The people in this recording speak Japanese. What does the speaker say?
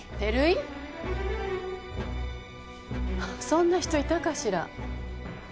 そんな人いたかしら？